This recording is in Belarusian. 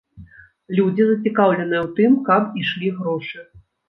Людзі зацікаўленыя ў тым, каб ішлі грошы.